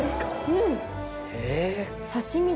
うん！